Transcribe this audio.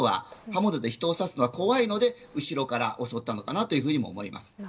刃物で人を刺すのは怖いので後ろから襲ったのかなと思います。